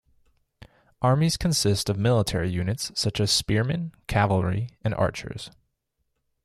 Armies consist of military units such as spearmen, cavalry and archers.